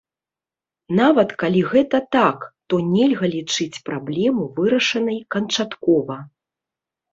Нават калі гэта так, то нельга лічыць праблему вырашанай канчаткова.